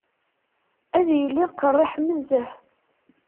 Ad yili qerriḥ nezzeh.